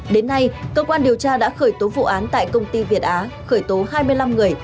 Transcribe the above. đến nay cơ quan điều tra đã khởi tố vụ án tại công ty việt á khởi tố hai mươi năm người